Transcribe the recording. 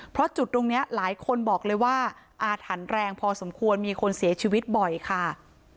เพราะจุดตรงนี้หลายคนบอกเลยว่าอาถรรพ์แรงพอสมควรมีคนเสียชีวิตบ่อยค่ะ